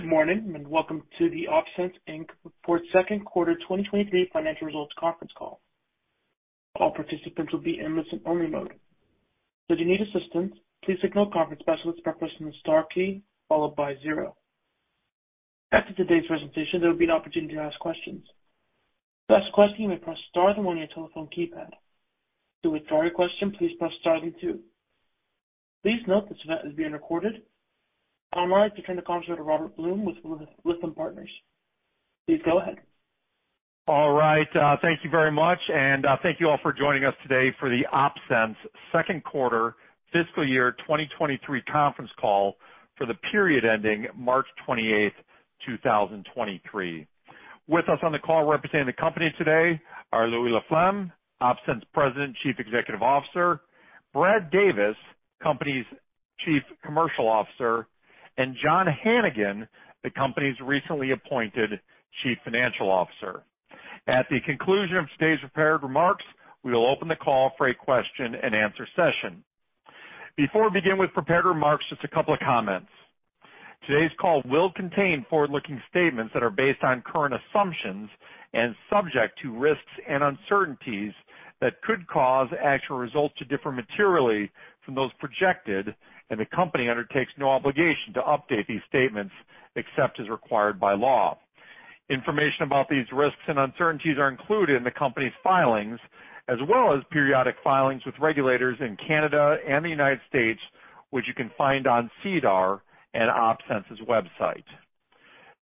Good morning, and welcome to the OpSens Inc. Fourth Q2 2023 Financial Results Conference Call. All participants will be in listen only mode. If you need assistance, please signal conference specialist by pressing the star key followed by zero. After today's presentation, there will be an opportunity to ask questions. To ask a question, you may press star then on your telephone keypad. To withdraw your question, please press star then two. Please note this event is being recorded. I would now like to turn the conference over to Robert Blum with Lytham Partners. Please go ahead. All right. Thank you very much, and thank you all for joining us today for the OpSens Q2 Fiscal Year 2023 Conference Call for the period ending March 28, 2023. With us on the call representing the company today are Louis Laflamme, OpSens President, Chief Executive Officer, Brad Davis, company's Chief Commercial Officer, and John Hannigan, the company's recently appointed Chief Financial Officer. At the conclusion of today's prepared remarks, we will open the call for a question and answer session. Before we begin with prepared remarks, just a couple of comments. Today's call will contain forward-looking statements that are based on current assumptions and subject to risks and uncertainties that could cause actual results to differ materially from those projected, and the company undertakes no obligation to update these statements except as required by law. Information about these risks and uncertainties are included in the company's filings as well as periodic filings with regulators in Canada and the U.S., which you can find on SEDAR and OpSens' website.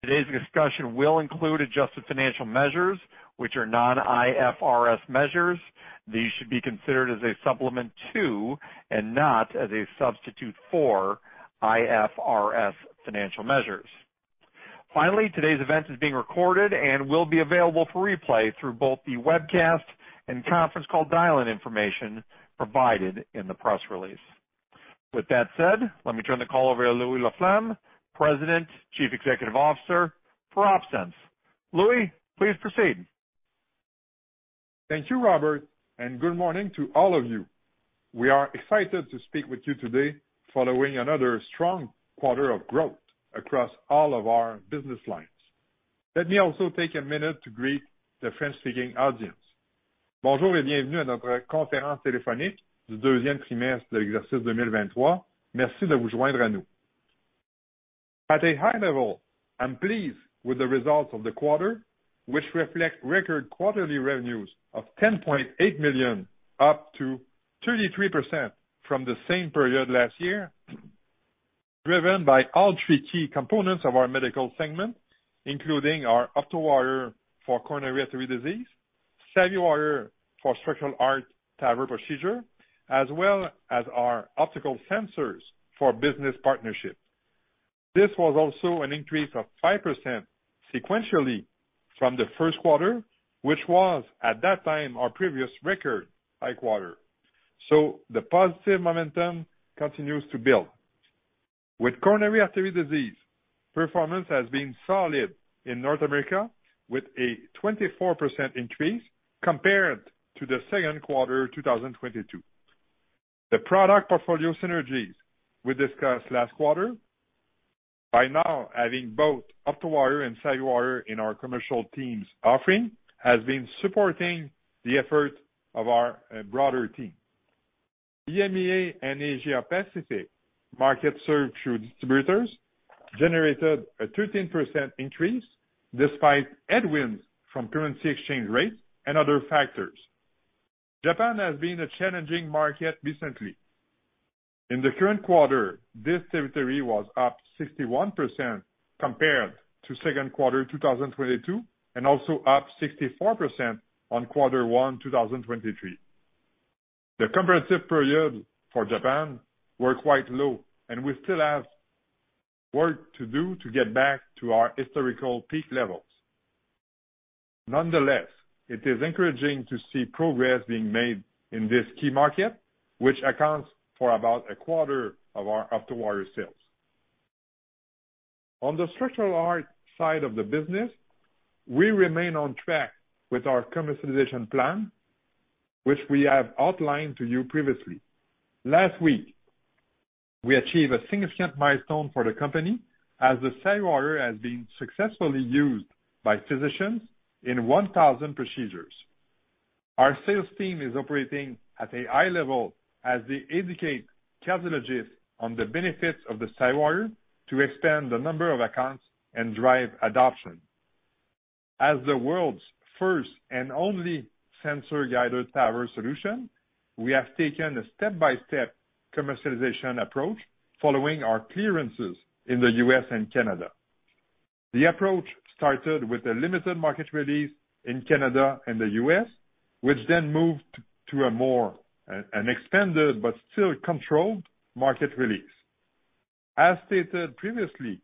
Today's discussion will include adjusted financial measures, which are non-IFRS measures. These should be considered as a supplement to, and not as a substitute for, IFRS financial measures. Today's event is being recorded and will be available for replay through both the webcast and conference call dial-in information provided in the press release. Let me turn the call over to Louis Laflamme, President, Chief Executive Officer for OpSens. Louis, please proceed. Thank you, Robert, Good morning to all of you. We are excited to speak with you today following another strong quarter of growth across all of our business lines. Let me also take a minute to greet the French-speaking audience. Bonjour et bienvenue à notre conférence téléphonique du deuxième trimestre de l'exercice 2023. Merci de vous joindre à nous. At a high level, I'm pleased with the results of the quarter, which reflect record quarterly revenues of 10.8 million, up to 33% from the same period last year, driven by all three key components of our medical segment, including our OptoWire for coronary artery disease, SavvyWire for structural heart TAVR procedure, as well as our optical sensors for business partnerships. This was also an increase of 5% sequentially from the Q1, which was, at that time, our previous record high quarter. The positive momentum continues to build. With coronary artery disease, performance has been solid in North America with a 24% increase compared to the Q2 2022. The product portfolio synergies we discussed last quarter by now having both OptoWire and SavvyWire in our commercial teams offering has been supporting the effort of our broader team. EMEA and Asia Pacific market served through distributors generated a 13% increase despite headwinds from currency exchange rates and other factors. Japan has been a challenging market recently. In the current quarter, this territory was up 61% compared to Q2 2022, also up 64% on quarter one 2023. The comparative periods for Japan were quite low, and we still have work to do to get back to our historical peak levels. Nonetheless, it is encouraging to see progress being made in this key market, which accounts for about a quarter of our OptoWire sales. On the structural heart side of the business, we remain on track with our commercialization plan, which we have outlined to you previously. Last week, we achieved a significant milestone for the company as the SavvyWire has been successfully used by physicians in 1,000 procedures. Our sales team is operating at a high level as they educate cardiologists on the benefits of the SavvyWire to expand the number of accounts and drive adoption. As the world's first and only sensor-guided TAVR solution, we have taken a step-by-step commercialization approach following our clearances in the U.S. and Canada. The approach started with a limited market release in Canada and the U.S., which then moved to a more, an expanded but still controlled market release. As stated previously,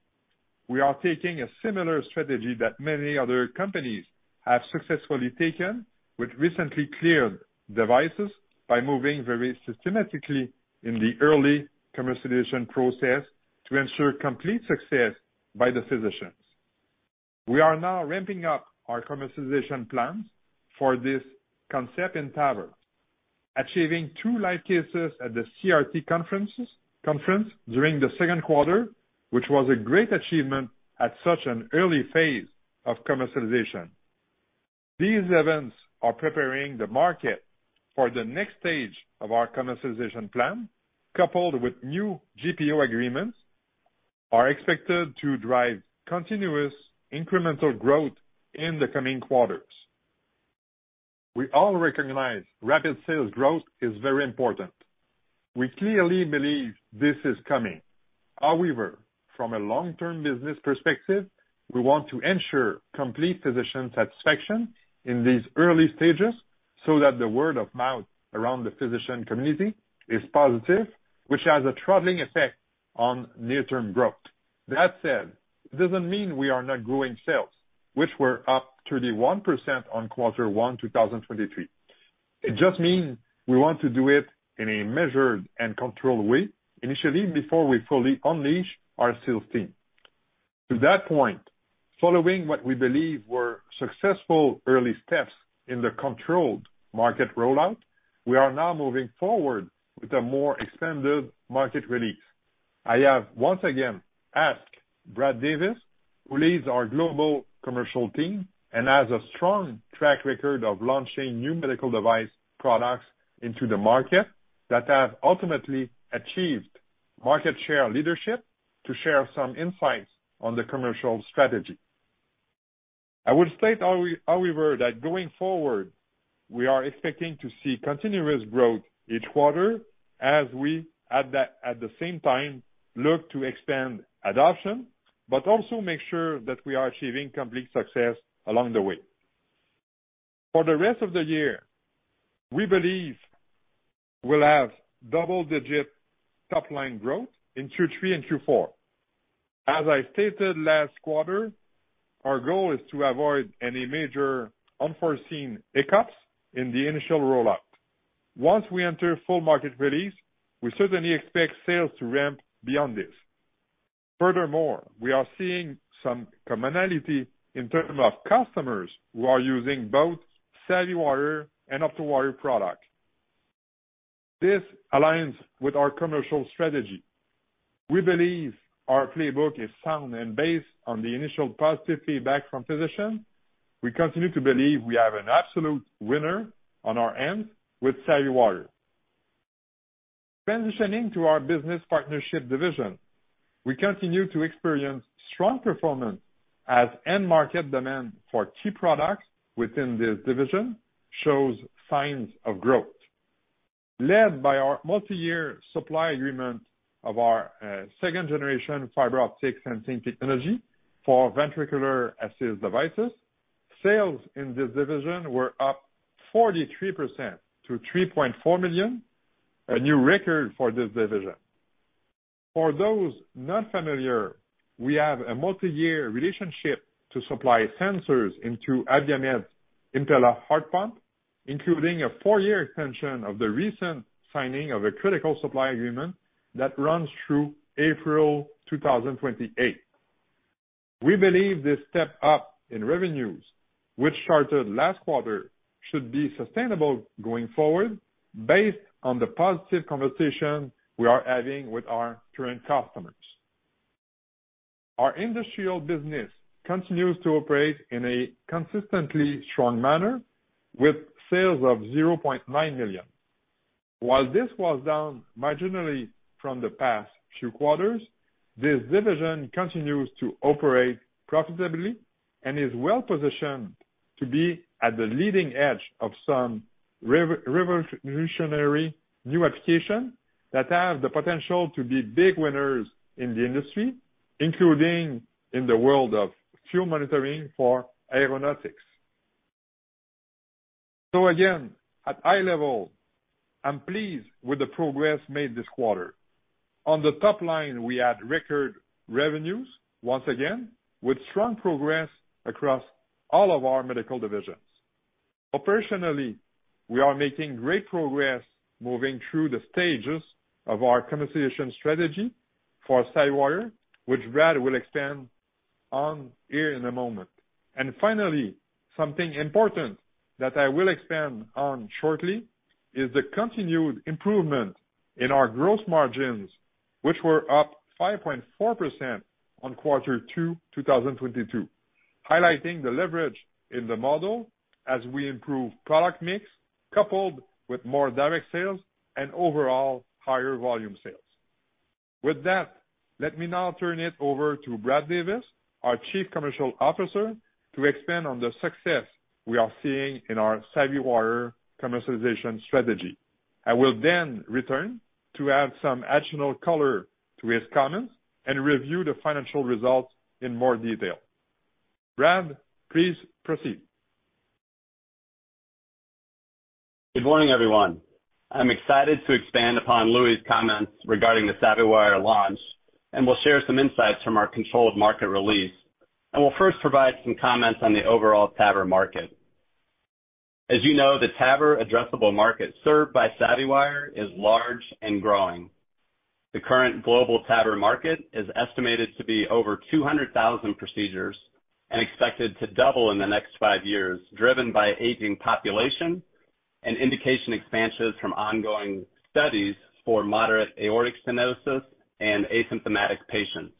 we are taking a similar strategy that many other companies have successfully taken with recently cleared devices by moving very systematically in the early commercialization process to ensure complete success by the physicians. We are now ramping up our commercialization plans for this concept in TAVR, achieving two live cases at the CRT conference during the Q2, which was a great achievement at such an early phase of commercialization. These events are preparing the market for the next stage of our commercialization plan, coupled with new GPO agreements, are expected to drive continuous incremental growth in the coming quarters. We all recognize rapid sales growth is very important. We clearly believe this is coming. From a long-term business perspective, we want to ensure complete physician satisfaction in these early stages so that the word of mouth around the physician community is positive, which has a troubling effect on near-term growth. That said, it doesn't mean we are not growing sales, which were up 31% on Q1 2023. It just means we want to do it in a measured and controlled way initially before we fully unleash our sales team. To that point, following what we believe were successful early steps in the controlled market rollout, we are now moving forward with a more expanded market release. I have once again asked Brad Davis, who leads our global commercial team and has a strong track record of launching new medical device products into the market that have ultimately achieved market share leadership to share some insights on the commercial strategy. I would state however, that going forward, we are expecting to see continuous growth each quarter as we, at the same time, look to expand adoption, but also make sure that we are achieving complete success along the way. For the rest of the year, we believe we'll have double-digit top-line growth in Q3 and Q4. As I stated last quarter, our goal is to avoid any major unforeseen hiccups in the initial rollout. Once we enter full market release, we certainly expect sales to ramp beyond this. Furthermore, we are seeing some commonality in terms of customers who are using both SavvyWire and OptoWire products. This aligns with our commercial strategy. We believe our playbook is sound and based on the initial positive feedback from physicians. We continue to believe we have an absolute winner on our hands with SavvyWire. Transitioning to our business partnership division. We continue to experience strong performance as end market demand for key products within this division shows signs of growth. Led by our multi-year supply agreement of our second generation fiber optic sensing technology for ventricular assist devices, sales in this division were up 43% to 3.4 million, a new record for this division. For those not familiar, we have a multi-year relationship to supply sensors into Abiomed's Impella heart pump, including a four-year extension of the recent signing of a critical supply agreement that runs through April 2028. We believe this step up in revenues, which started last quarter, should be sustainable going forward based on the positive conversation we are having with our current customers. Our industrial business continues to operate in a consistently strong manner with sales of 0.9 million. While this was down marginally from the past few quarters, this division continues to operate profitably and is well-positioned to be at the leading edge of some revolutionary new applications that have the potential to be big winners in the industry, including in the world of fuel monitoring for aeronautics. Again, at high-level, I'm pleased with the progress made this quarter. On the top line, we had record revenues once again with strong progress across all of our medical divisions. Operationally, we are making great progress moving through the stages of our commercialization strategy for SavvyWire, which Brad will expand on here in a moment. Finally, something important that I will expand on shortly is the continued improvement in our growth margins, which were up 5.4% on quarter two, 2022, highlighting the leverage in the model as we improve product mix coupled with more direct sales and overall higher volume sales. With that, let me now turn it over to Brad Davis, our Chief Commercial Officer, to expand on the success we are seeing in our SavvyWire commercialization strategy. I will then return to add some additional color to his comments and review the financial results in more detail. Brad, please proceed. Good morning, everyone. I'm excited to expand upon Louis' comments regarding the SavvyWire launch. We'll share some insights from our controlled market release. I will first provide some comments on the overall TAVR market. As you know, the TAVR addressable market served by SavvyWire is large and growing. The current global TAVR market is estimated to be over 200,000 procedures and expected to double in the next 5 years, driven by aging population and indication expansions from ongoing studies for moderate aortic stenosis and asymptomatic patients.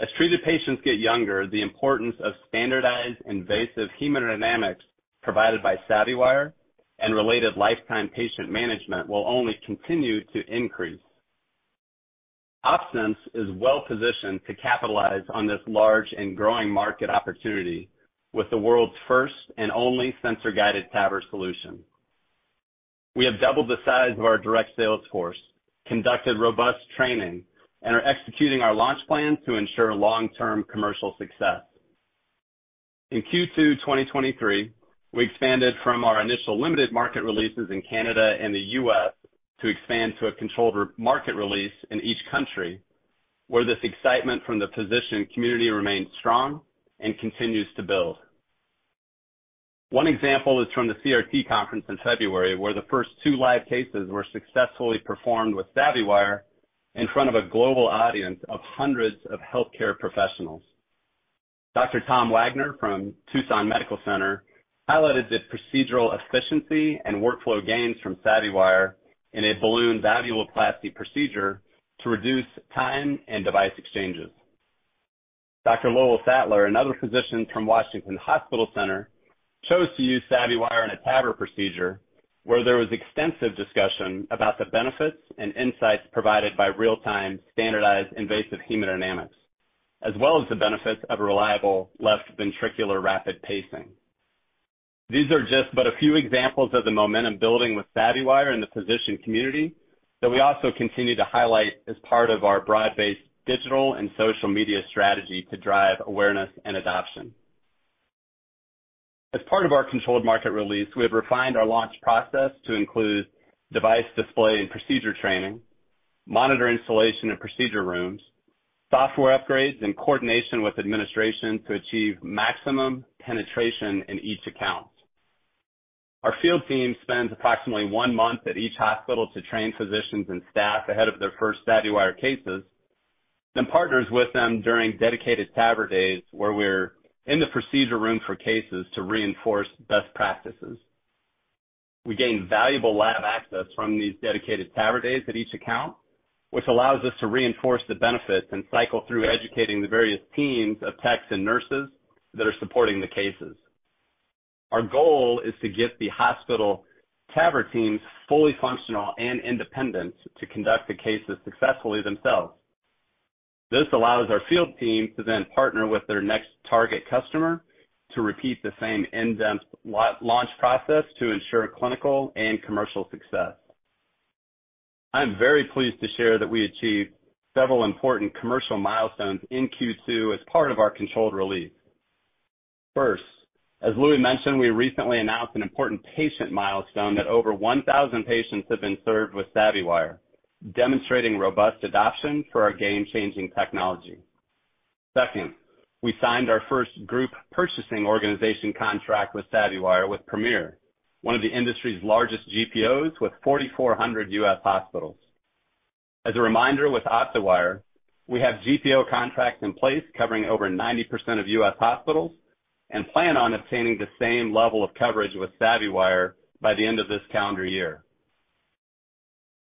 As treated patients get younger, the importance of standardized invasive hemodynamics provided by SavvyWire and related lifetime patient management will only continue to increase. OpSens is well-positioned to capitalize on this large and growing market opportunity with the world's first and only sensor-guided TAVR solution. We have doubled the size of our direct sales force, conducted robust training, and are executing our launch plan to ensure long-term commercial success. In Q2 2023, we expanded from our initial limited market releases in Canada and the U.S. to expand to a controlled re-market release in each country, where this excitement from the physician community remains strong and continues to build. One example is from the CRT conference in February, where the first two live cases were successfully performed with SavvyWire in front of a global audience of hundreds of healthcare professionals. Dr. Thomas Waggoner from Tucson Medical Center highlighted the procedural efficiency and workflow gains from SavvyWire in a balloon valvuloplasty procedure to reduce time and device exchanges. Lowell Satler, another physician from Washington Hospital Center, chose to use SavvyWire in a TAVR procedure where there was extensive discussion about the benefits and insights provided by real-time standardized invasive hemodynamics, as well as the benefits of reliable left ventricular rapid pacing. These are just but a few examples of the momentum building with SavvyWire in the physician community that we also continue to highlight as part of our broad-based digital and social media strategy to drive awareness and adoption. As part of our controlled market release, we have refined our launch process to include device display and procedure training, monitor installation in procedure rooms, software upgrades, and coordination with administration to achieve maximum penetration in each account. Our field team spends approximately one month at each hospital to train physicians and staff ahead of their first SavvyWire cases, then partners with them during dedicated TAVR days, where we're in the procedure room for cases to reinforce best practices. We gain valuable lab access from these dedicated TAVR days at each account, which allows us to reinforce the benefits and cycle through educating the various teams of techs and nurses that are supporting the cases. Our goal is to get the hospital TAVR teams fully functional and independent to conduct the cases successfully themselves. This allows our field team to then partner with their next target customer to repeat the same in-depth launch process to ensure clinical and commercial success. I'm very pleased to share that we achieved several important commercial milestones in Q2 as part of our controlled release. First, as Louis mentioned, we recently announced an important patient milestone that over 1,000 patients have been served with SavvyWire, demonstrating robust adoption for our game-changing technology. Second, we signed our first group purchasing organization contract with SavvyWire with Premier, one of the industry's largest GPOs with 4,400 US hospitals. As a reminder, with OptoWire, we have GPO contracts in place covering over 90% of US hospitals and plan on obtaining the same level of coverage with SavvyWire by the end of this calendar year.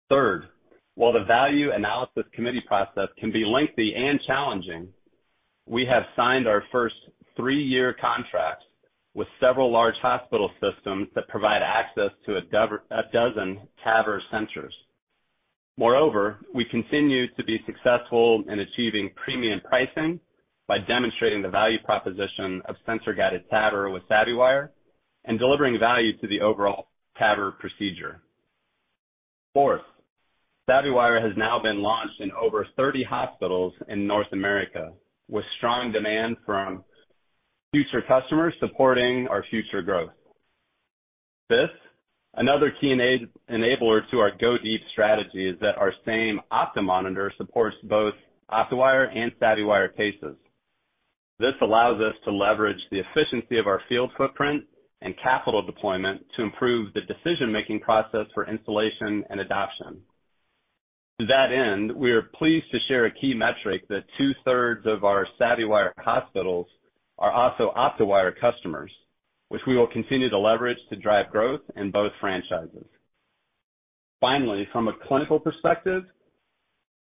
Third, while the value analysis committee process can be lengthy and challenging, we have signed our first three-year contract with several large hospital systems that provide access to 12 TAVR sensors. Moreover, we continue to be successful in achieving premium pricing by demonstrating the value proposition of sensor-guided TAVR with SavvyWire and delivering value to the overall TAVR procedure. SavvyWire has now been launched in over 30 hospitals in North America, with strong demand from future customers supporting our future growth. Another key enabler to our go-deep strategy is that our same OptoMonitor supports both OptoWire and SavvyWire cases. This allows us to leverage the efficiency of our field footprint and capital deployment to improve the decision-making process for installation and adoption. To that end, we are pleased to share a key metric that two-thirds of our SavvyWire hospitals are also OptoWire customers, which we will continue to leverage to drive growth in both franchises. From a clinical perspective,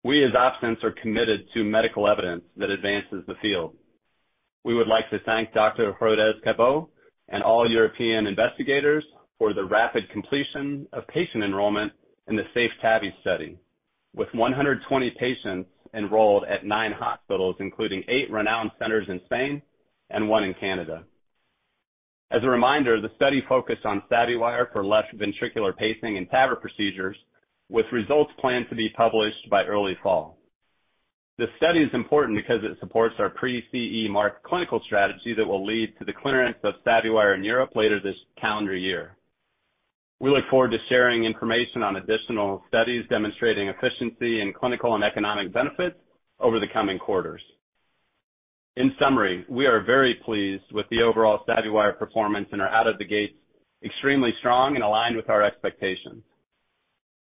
we as OpSens are committed to medical evidence that advances the field. We would like to thank Dr. Jorge Cabo and all European investigators for the rapid completion of patient enrollment in the SAFE-TAVI study, with 120 patients enrolled at 9 hospitals, including 8 renowned centers in Spain and 1 in Canada. As a reminder, the study focused on SavvyWire for left ventricular pacing and TAVR procedures, with results planned to be published by early fall. This study is important because it supports our pre-CE mark clinical strategy that will lead to the clearance of SavvyWire in Europe later this calendar year. We look forward to sharing information on additional studies demonstrating efficiency and clinical and economic benefits over the coming quarters. In summary, we are very pleased with the overall SavvyWire performance and are out of the gate extremely strong and aligned with our expectations.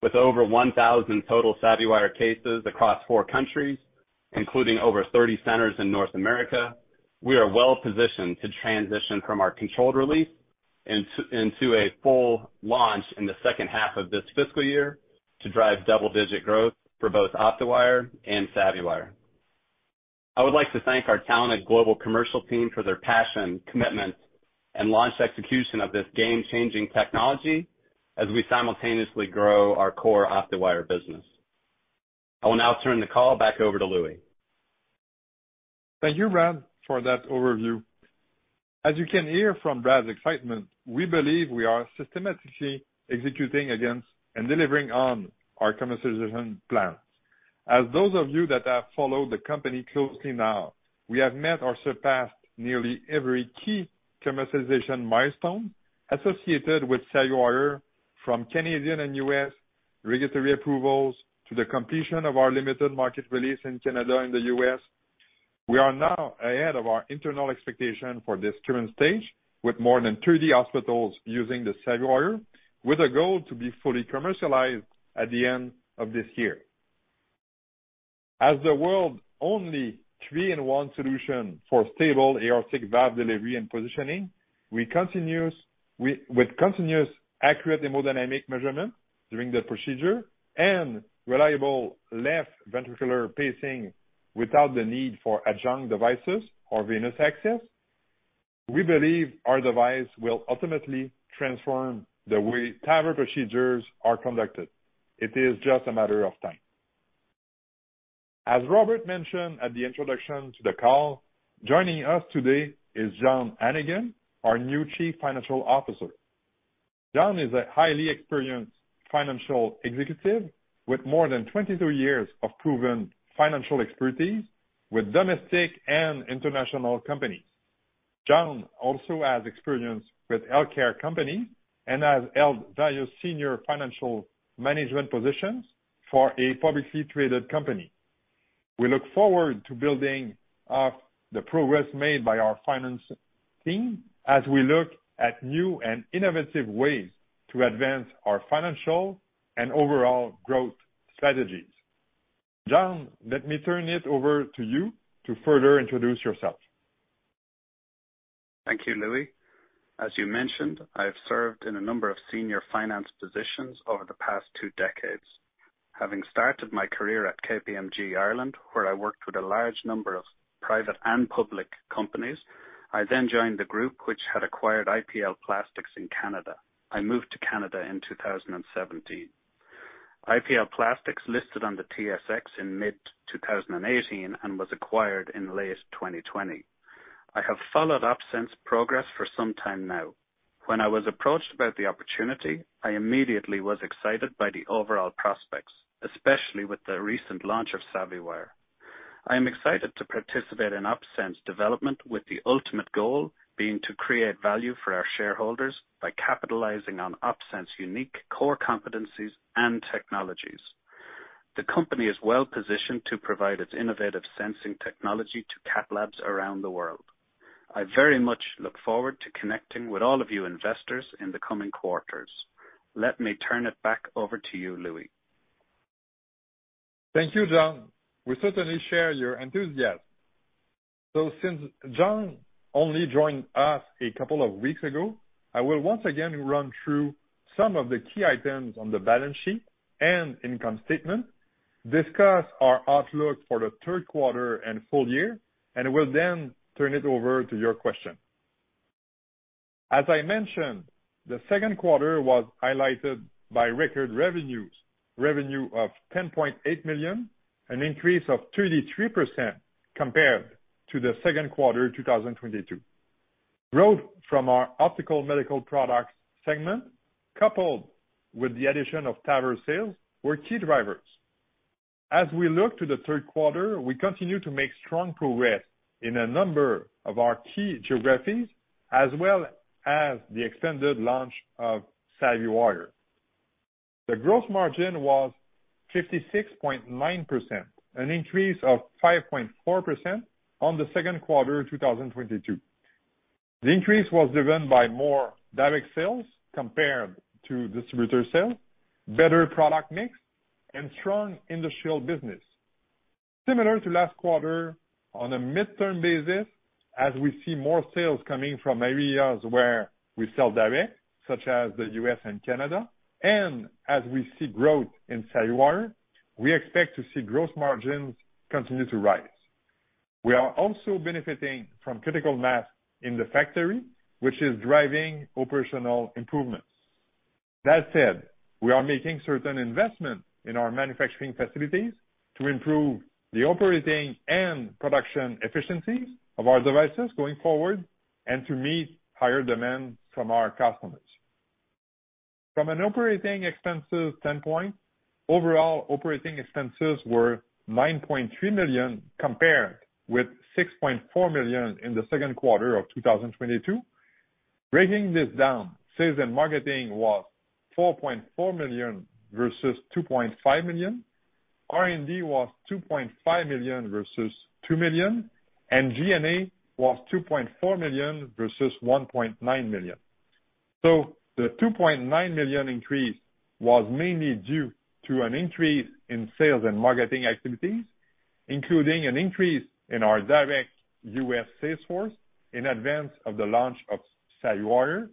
With over 1,000 total SavvyWire cases across four countries, including over 30 centers in North America, we are well-positioned to transition from our controlled release into a full launch in the H2 of this fiscal year to drive double-digit growth for both OptoWire and SavvyWire. I would like to thank our talented global commercial team for their passion, commitment, and launch execution of this game-changing technology as we simultaneously grow our core OptoWire business. I will now turn the call back over to Louis. Thank you, Brad, for that overview. As you can hear from Brad's excitement, we believe we are systematically executing against and delivering on our commercialization plans. As those of you that have followed the company closely now, we have met or surpassed nearly every key commercialization milestone associated with SavvyWire from Canadian and U.S. regulatory approvals to the completion of our limited market release in Canada and the U.S. We are now ahead of our internal expectation for this current stage, with more than 30 hospitals using the SavvyWire, with a goal to be fully commercialized at the end of this year. As the world only three-in-one solution for stable aortic valve delivery and positioning, with continuous accurate hemodynamic measurement during the procedure and reliable left ventricular pacing without the need for adjunct devices or venous access, we believe our device will ultimately transform the way TAVR procedures are conducted. It is just a matter of time. As Robert mentioned at the introduction to the call, joining us today is John Hannigan, our new Chief Financial Officer. John is a highly experienced financial executive with more than 22 years of proven financial expertise with domestic and international companies. John also has experience with healthcare company and has held various senior financial management positions for a publicly traded company. We look forward to building off the progress made by our finance team as we look at new and innovative ways to advance our financial and overall growth strategies. John, let me turn it over to you to further introduce yourself. Thank you, Louis. As you mentioned, I have served in a number of senior finance positions over the past two decades. Having started my career at KPMG Ireland, where I worked with a large number of private and public companies, I joined the group which had acquired IPL Plastics in Canada. I moved to Canada in 2017. IPL Plastics listed on the TSX in mid-2018 and was acquired in late 2020. I have followed OpSens' progress for some time now. When I was approached about the opportunity, I immediately was excited by the overall prospects, especially with the recent launch of SavvyWire. I am excited to participate in OpSens' development, with the ultimate goal being to create value for our shareholders by capitalizing on OpSens' unique core competencies and technologies. The company is well-positioned to provide its innovative sensing technology to cath labs around the world. I very much look forward to connecting with all of you investors in the coming quarters. Let me turn it back over to you, Louis. Thank you, John. We certainly share your enthusiasm. Since John only joined us a couple of weeks ago, I will once again run through some of the key items on the balance sheet and income statement, discuss our outlook for the Q3 and full year, and will then turn it over to your question. As I mentioned, the Q2 was highlighted by record revenues. Revenue of 10.8 million, an increase of 33% compared to the Q2 of 2022. Growth from our optical medical products segment, coupled with the addition of TAVR sales, were key drivers. As we look to the Q3, we continue to make strong progress in a number of our key geographies as well as the extended launch of SavvyWire. The gross margin was 56.9%, an increase of 5.4% on the Q2 of 2022. The increase was driven by more direct sales compared to distributor sales, better product mix, and strong industrial business. Similar to last quarter, on a midterm basis, as we see more sales coming from areas where we sell direct, such as the U.S. and Canada, and as we see growth in SavvyWire, we expect to see gross margins continue to rise. We are also benefiting from critical mass in the factory, which is driving operational improvements. That said, we are making certain investments in our manufacturing facilities to improve the operating and production efficiencies of our devices going forward and to meet higher demand from our customers. From an operating expenses standpoint, overall operating expenses were $9.3 million, compared with $6.4 million in the Q2 of 2022. Breaking this down, sales and marketing was $4.4 million versus $2.5 million. R&D was $2.5 million versus $2 million, and G&A was $2.4 million versus $1.9 million. The $2.9 million increase was mainly due to an increase in sales and marketing activities, including an increase in our direct U.S. sales force in advance of the launch of SavvyWire,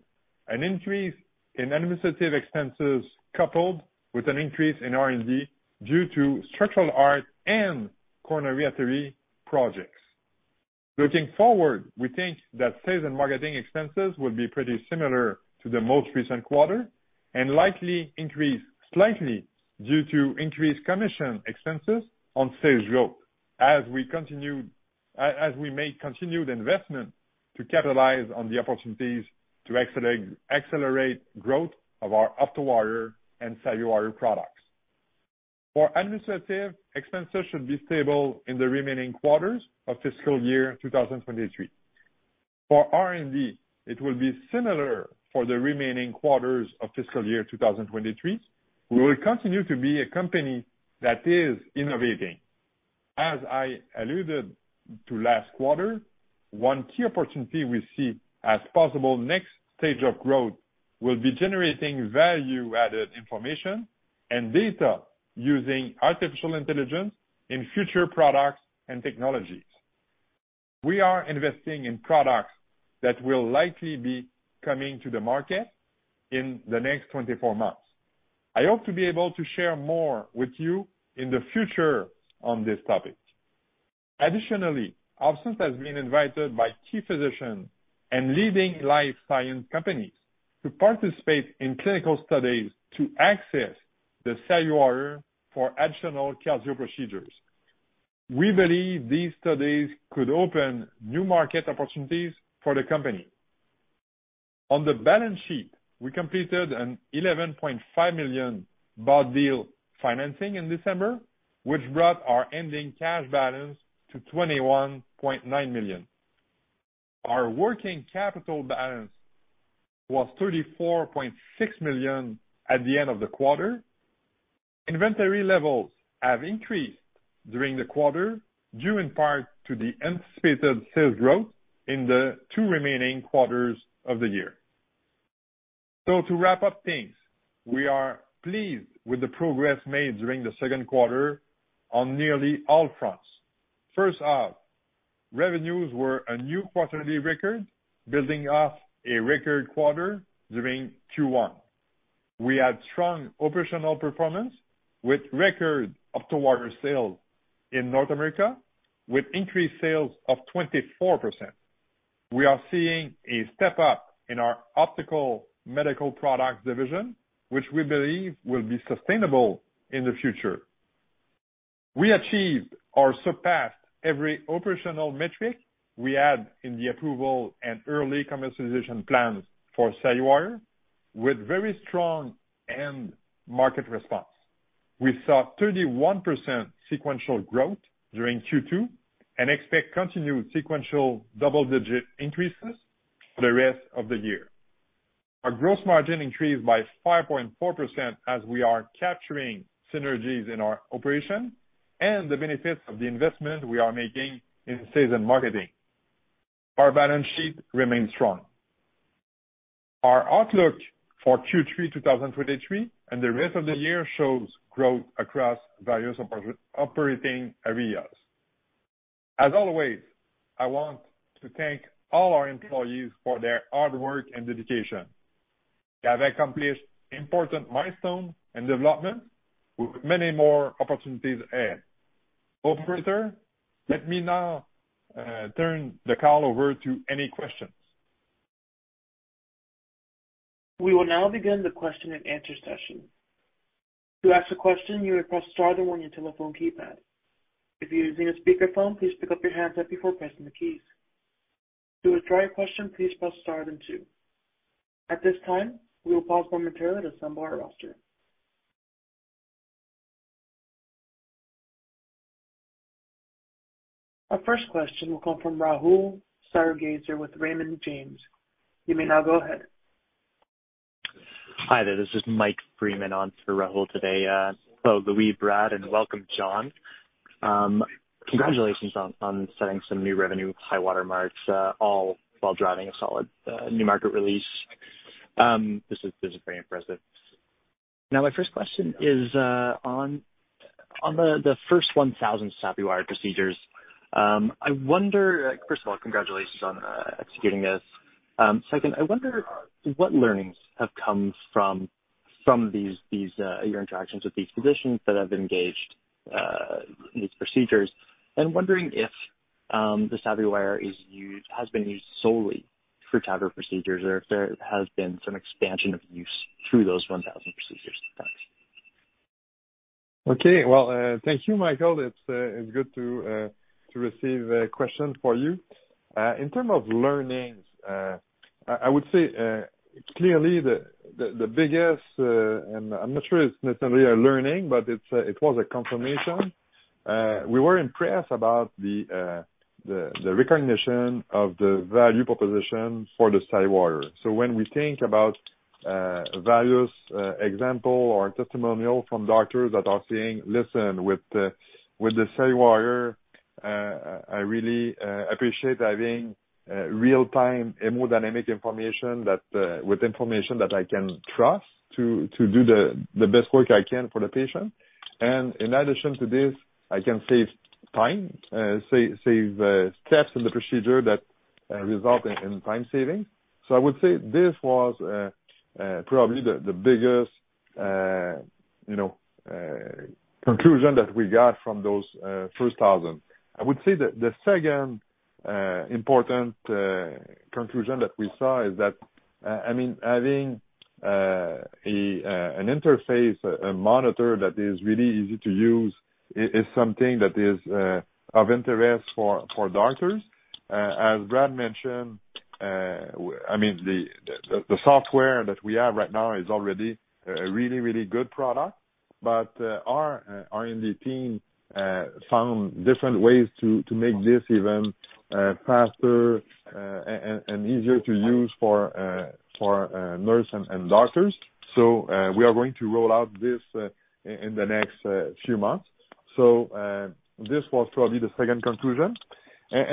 an increase in administrative expenses, coupled with an increase in R&D due to structural heart and coronary artery projects. Looking forward, we think that sales and marketing expenses will be pretty similar to the most recent quarter and likely increase slightly due to increased commission expenses on sales growth as we make continued investment to capitalize on the opportunities to accelerate growth of our OptoWire and SavvyWire products. Our administrative expenses should be stable in the remaining quarters of fiscal year 2023. For R&D, it will be similar for the remaining quarters of fiscal year 2023. We will continue to be a company that is innovating. As I alluded to last quarter, one key opportunity we see as possible next stage of growth will be generating value-added information and data using artificial intelligence in future products and technologies. We are investing in products that will likely be coming to the market in the next 24 months. I hope to be able to share more with you in the future on this topic. Additionally, OpSens has been invited by key physicians and leading life science companies to participate in clinical studies to access the SavvyWire for additional catheter procedures. We believe these studies could open new market opportunities for the company. On the balance sheet, we completed a 11.5 million bond deal financing in December, which brought our ending cash balance to 21.9 million. Our working capital balance was 34.6 million at the end of the quarter. Inventory levels have increased during the quarter, due in part to the anticipated sales growth in the two remaining quarters of the year. To wrap up things, we are pleased with the progress made during the Q2 on nearly all fronts. Revenues were a new quarterly record, building off a record quarter during Q1. We had strong operational performance with record OptoWire sales in North America with increased sales of 24%. We are seeing a step up in our optical medical products division, which we believe will be sustainable in the future. We achieved or surpassed every operational metric we had in the approval and early commercialization plans for SavvyWire with very strong end market response. We saw 31% sequential growth during Q2 and expect continued sequential double-digit increases for the rest of the year. Our gross margin increased by 5.4% as we are capturing synergies in our operation and the benefits of the investment we are making in sales and marketing. Our balance sheet remains strong. Our outlook for Q3 2023 and the rest of the year shows growth across various operating areas. As always, I want to thank all our employees for their hard work and dedication. They have accomplished important milestones and development with many more opportunities ahead. Without further, let me now turn the call over to any questions. We will now begin the question and answer session. To ask a question, you may press star then 1 on your telephone keypad. If you're using a speakerphone, please pick up your handset before pressing the keys. To withdraw your question, please press star then 2. At this time, we will pause momentarily to assemble our roster. Our first question will come from Rahul Sarugaser with Raymond James. You may now go ahead. Hi there. This is Michael Freeman on for Rahul today. Hello, Louis, Brad, and welcome, John. Congratulations on setting some new revenue high-water marks, all while driving a solid new market release. This is very impressive. My first question is on the first 1,000 SavvyWire procedures. First of all, congratulations on executing this. Second, I wonder what learnings have come from these your interactions with these physicians that have engaged these procedures. I'm wondering if the SavvyWire has been used solely for TAVR procedures or if there has been some expansion of use through those 1,000 procedures. Thanks. Okay. Well, thank you, Michael. It's, it's good to receive a question for you. In term of learnings, I would say, clearly the, the biggest, and I'm not sure it's necessarily a learning, but it's, it was a confirmation. We were impressed about the, the recognition of the value proposition for the SavvyWire. When we think about, values, example or testimonial from doctors that are saying, "Listen, with the, with the SavvyWire, I really, appreciate having, real-time hemodynamic information that, with information that I can trust to do the best work I can for the patient. In addition to this, I can save time, save steps in the procedure that result in time saving. I would say this was probably the biggest, you know, conclusion that we got from those first 1,000. I would say the second important conclusion that we saw is that, I mean, having an interface, a monitor that is really easy to use is something that is of interest for doctors. As Brad mentioned, I mean, the software that we have right now is already a really, really good product, but our R&D team found different ways to make this even faster and easier to use for nurse and doctors. We are going to roll out this in the next few months. This was probably the second conclusion.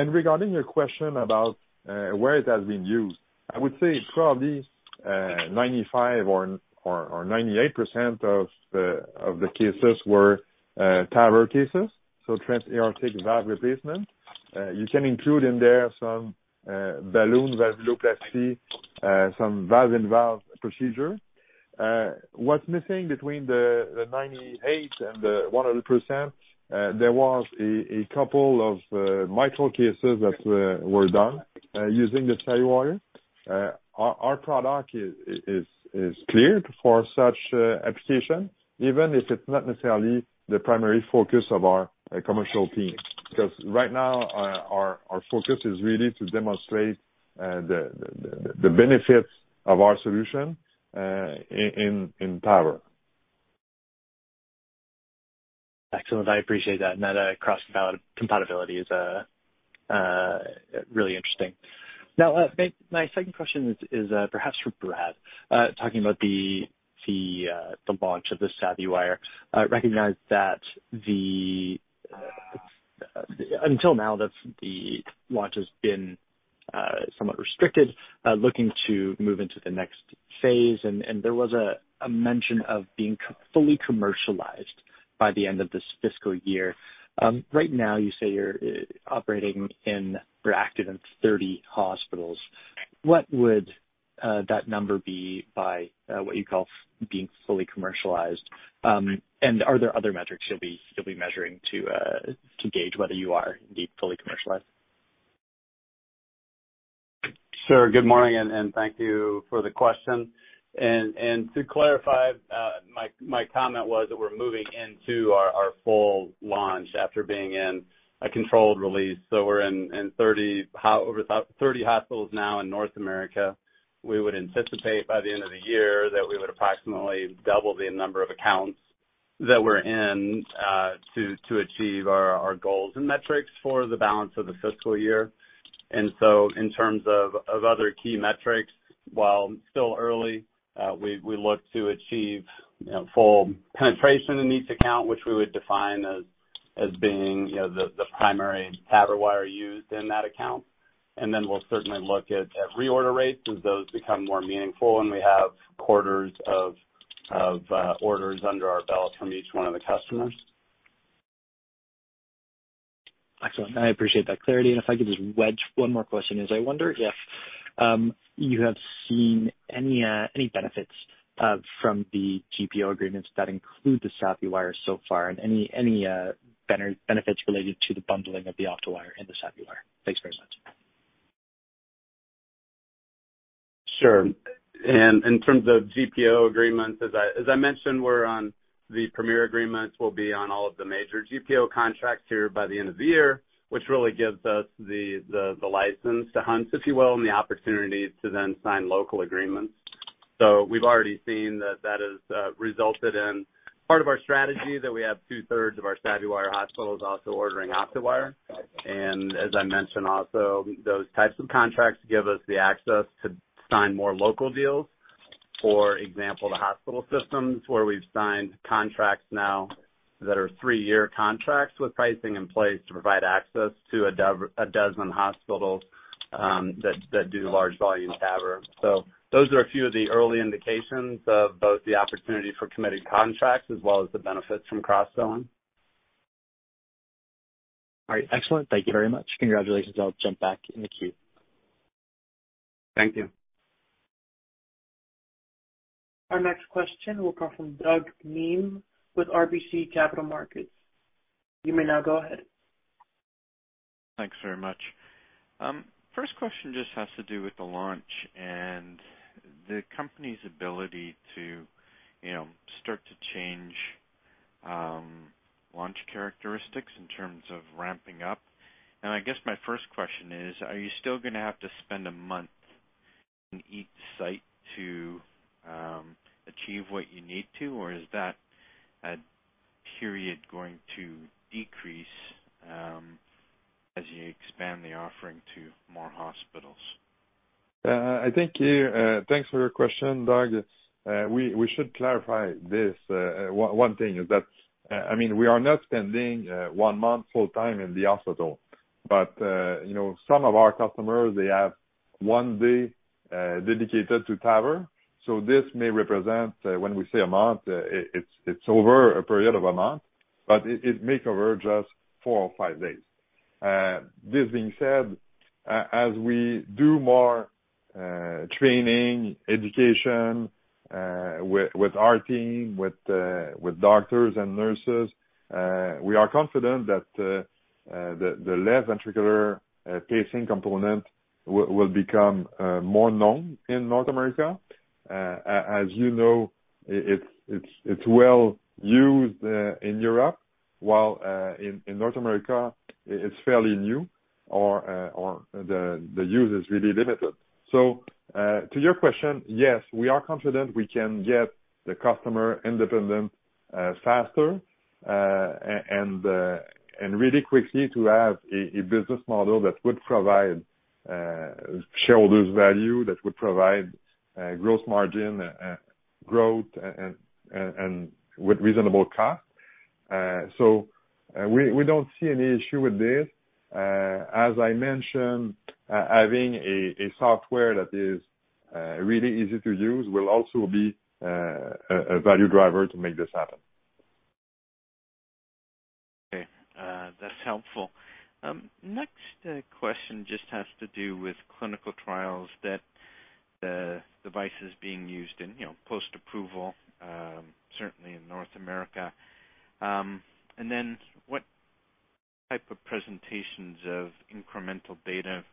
Regarding your question about where it has been used, I would say probably 95% or 98% of the cases were TAVR cases, so transcatheter aortic valve replacement. You can include in there some balloon valvuloplasty, some valve-in-valve procedure. What's missing between the 98% and the 100%, there was a couple of mitral cases that were done using the SavvyWire. Our product is cleared for such application, even if it's not necessarily the primary focus of our commercial team. Right now our focus is really to demonstrate the benefits of our solution in TAVR. Excellent. I appreciate that. That cross valid-- compatibility is really interesting. My second question is perhaps for Brad, talking about the launch of the SavvyWire. I recognize that the... Until now, the launch has been somewhat restricted, looking to move into the next phase and there was a mention of being c-fully commercialized by the end of this fiscal year. Right now you say you're operating in or active in 30 hospitals. What would that number be by what you call f-being fully commercialized? Are there other metrics you'll be measuring to gauge whether you are indeed fully commercialized? Sure. Good morning, and thank you for the question. To clarify, my comment was that we're moving into our full launch after being in a controlled release. We're in over 30 hospitals now in North America. We would anticipate by the end of the year that we would approximately double the number of accounts that we're in to achieve our goals and metrics for the balance of the fiscal year. In terms of other key metrics, while still early, we look to achieve, you know, full penetration in each account, which we would define as being, you know, the primary TAVR wire used in that account. We'll certainly look at reorder rates as those become more meaningful and we have quarters of orders under our belt from each one of the customers. Excellent. I appreciate that clarity. If I could just wedge one more question is I wonder if you have seen any benefits from the GPO agreements that include the SavvyWire so far, and any benefits related to the bundling of the OptoWire and the SavvyWire? Thanks very much. Sure. In terms of GPO agreements, as I mentioned, we're on the Premier agreements. We'll be on all of the major GPO contracts here by the end of the year, which really gives us the license to hunt, if you will, and the opportunity to then sign local agreements. We've already seen that that has resulted in part of our strategy that we have two-thirds of our SavvyWire hospitals also ordering OptoWire. As I mentioned also, those types of contracts give us the access to sign more local deals. For example, the hospital systems where we've signed contracts now that are 3-year contracts with pricing in place to provide access to 12 hospitals that do large volume TAVR.Those are a few of the early indications of both the opportunity for committed contracts as well as the benefits from cross-selling. All right. Excellent. Thank you very much. Congratulations. I'll jump back in the queue. Thank you. Our next question will come from Doug Miehm with RBC Capital Markets. You may now go ahead. Thanks very much. First question just has to do with the launch and the company's ability to, you know, start to change, launch characteristics in terms of ramping up. I guess my first question is, are you still gonna have to spend a month each site to achieve what you need to, or is that period going to decrease, as you expand the offering to more hospitals? I think, thanks for your question, Doug. We should clarify this. One thing is that, I mean, we are not spending one month full time in the hospital, but, you know, some of our customers, they have one day dedicated to TAVR. This may represent, when we say a month, it's over a period of a month, but it may cover just four or five days. This being said, as we do more training, education with our team, with doctors and nurses, we are confident that the left ventricular pacing component will become more known in North America. As you know, it's well used in Europe, while in North America it's fairly new or the use is really limited. To your question, yes, we are confident we can get the customer independent faster and really quickly to have a business model that would provide shareholders value, that would provide gross margin growth and with reasonable cost. We don't see any issue with this. As I mentioned, having a software that is really easy to use will also be a value driver to make this happen. Okay. That's helpful. Next, question just has to do with clinical trials that the device is being used in, you know, post-approval, certainly in North America. What type of presentations of incremental data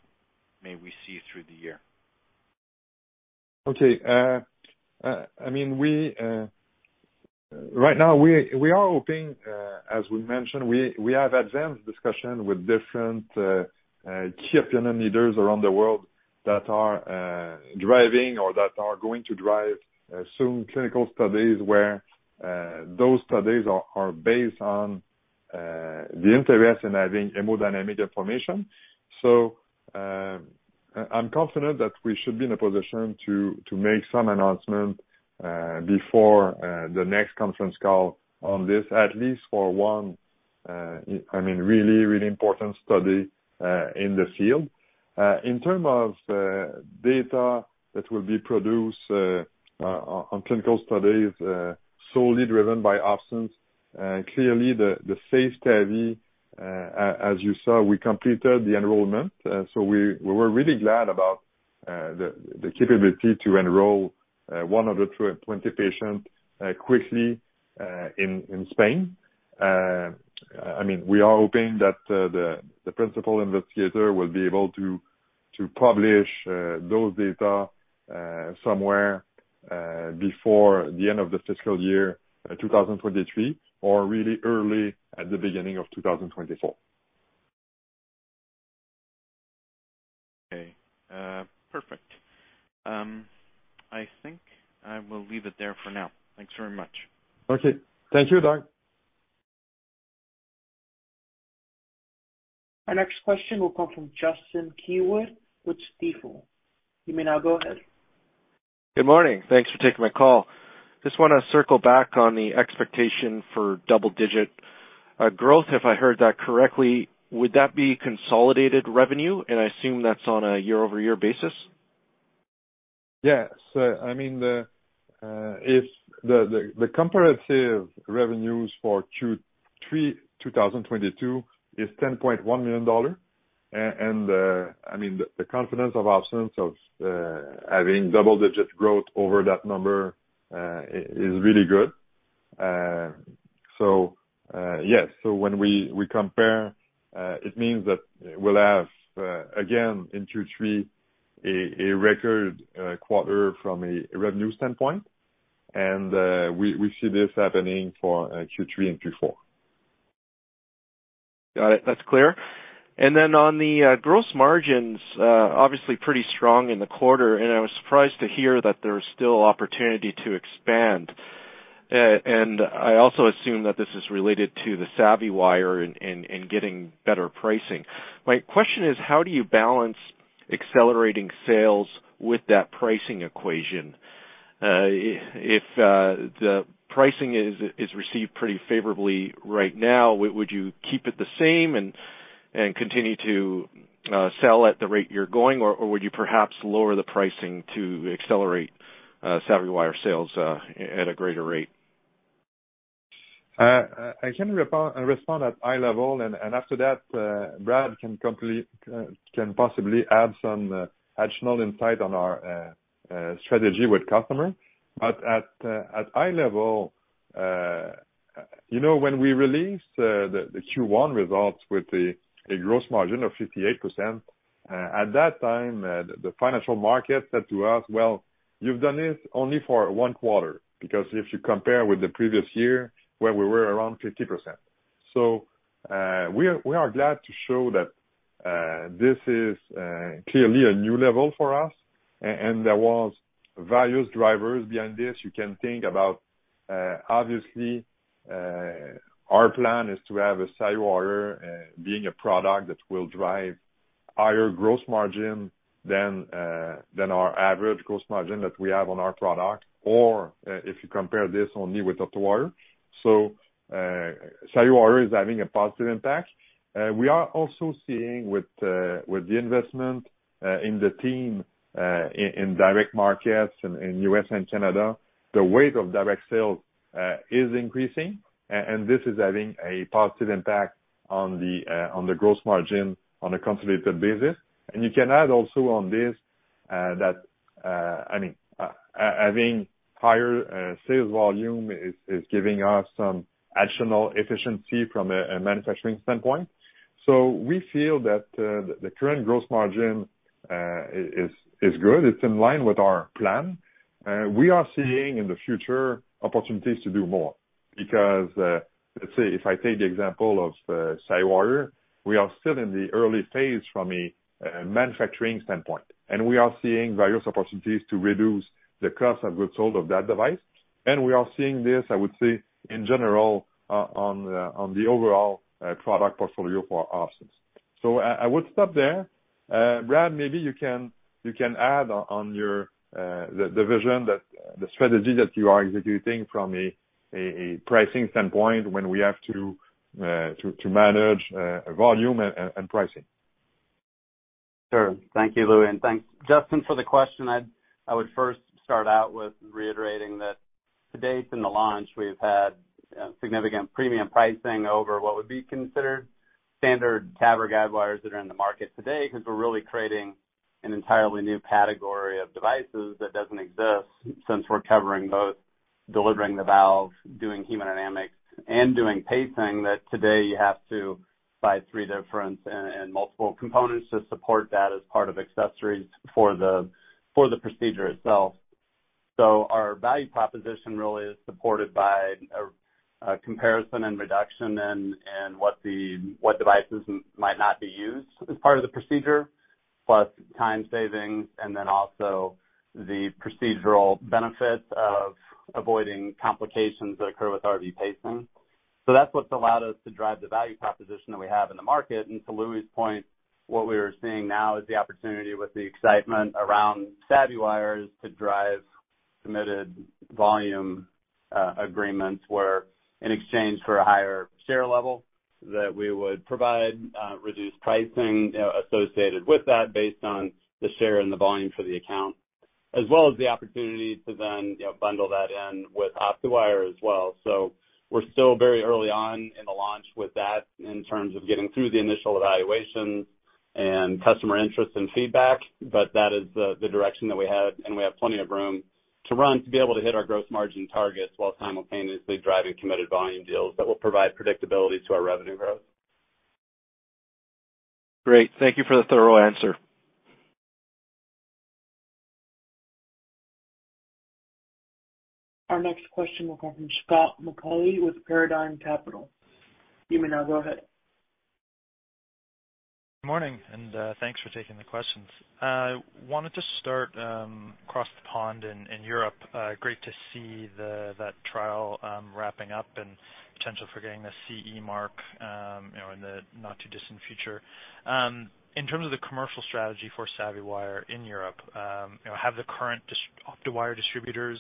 may we see through the year? Okay. I mean, we right now we are hoping, as we mentioned, we have advanced discussion with different key opinion leaders around the world that are driving or that are going to drive some clinical studies where those studies are based on the interest in having hemodynamic information. I'm confident that we should be in a position to make some announcement before the next conference call on this, at least for one, I mean, really important study in the field. In term of data that will be produced on clinical studies solely driven by OpSens, clearly the SAFE-TAVI, as you saw, we completed the enrollment. We were really glad about the capability to enroll 120 patients quickly in Spain. I mean, we are hoping that the principal investigator will be able to publish those data somewhere before the end of the fiscal year 2023, or really early at the beginning of 2024. Perfect. I think I will leave it there for now. Thanks very much. Okay. Thank you, Doug. Our next question will come from Justin Keywood with Stifel. You may now go ahead. Good morning. Thanks for taking my call. Just want to circle back on the expectation for double digit growth, if I heard that correctly. Would that be consolidated revenue? I assume that's on a year-over-year basis. Yes. I mean the, if the comparative revenues for Q3 2022 is 10.1 million dollars. I mean, the confidence of OpSens of having double-digit growth over that number is really good. Yes. When we compare, it means that we'll have, again, in Q3, a record quarter from a revenue standpoint. We, we see this happening for Q3 and Q4. Got it. That's clear. On the gross margins, obviously pretty strong in the quarter, and I was surprised to hear that there's still opportunity to expand. I also assume that this is related to the SavvyWire and getting better pricing. My question is, how do you balance accelerating sales with that pricing equation? If the pricing is received pretty favorably right now, would you keep it the same and continue to sell at the rate you're going, or would you perhaps lower the pricing to accelerate SavvyWire sales at a greater rate? I can respond at high level and after that, Brad can complete, can possibly add some additional insight on our strategy with customer. At high level, you know, when we released the Q1 results with the gross margin of 58%, at that time, the financial market said to us, "Well, you've done this only for one quarter," because if you compare with the previous year where we were around 50%. We are glad to show that this is clearly a new level for us. There were various drivers behind this. You can think about, obviously, our plan is to have a SavvyWire being a product that will drive higher gross margin than our average gross margin that we have on our product, or if you compare this only with OptoWire. SavvyWire is having a positive impact. We are also seeing with the investment in direct markets in U.S. and Canada, the weight of direct sales is increasing. This is having a positive impact on the gross margin on a consolidated basis. You can add also on this that, I mean, having higher sales volume is giving us some additional efficiency from a manufacturing standpoint. We feel that the current gross margin is good. It's in line with our plan. We are seeing in the future opportunities to do more because, let's say if I take the example of SavvyWire, we are still in the early phase from a manufacturing standpoint, and we are seeing various opportunities to reduce the cost of goods sold of that device. We are seeing this, I would say, in general, on the overall product portfolio for OpSens. I would stop there. Brad, maybe you can add on your the strategy that you are executing from a pricing standpoint when we have to manage volume and pricing. Sure. Thank you, Louis, and thanks Justin for the question. I would first start out with reiterating that to date in the launch we've had significant premium pricing over what would be considered standard catheter guide wires that are in the market today, because we're really creating an entirely new category of devices that doesn't exist since we're covering both delivering the valve, doing hemodynamics, and doing pacing that today you have to buy three different and multiple components to support that as part of accessories for the, for the procedure itself. Our value proposition really is supported by a comparison and reduction in what the, what devices might not be used as part of the procedure, plus time savings, and then also the procedural benefits of avoiding complications that occur with RV pacing. That's what's allowed us to drive the value proposition that we have in the market. To Louis' point, what we are seeing now is the opportunity with the excitement around SavvyWire to drive committed volume agreements where in exchange for a higher share level that we would provide reduced pricing associated with that based on the share and the volume for the account. The opportunity to then, you know, bundle that in with OptoWire as well. We're still very early on in the launch with that in terms of getting through the initial evaluations and customer interest and feedback, but that is the direction that we head, and we have plenty of room to run to be able to hit our gross margin targets while simultaneously driving committed volume deals that will provide predictability to our revenue growth. Great. Thank you for the thorough answer. Our next question will come from Scott McAuley with Paradigm Capital. You may now go ahead. Good morning, thanks for taking the questions. I wanted to start across the pond in Europe. Great to see that trial wrapping up and potential for getting the CE mark, you know, in the not too distant future. In terms of the commercial strategy for SavvyWire in Europe, you know, have the current OptoWire distributors